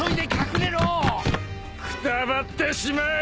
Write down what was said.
くたばってしまえ！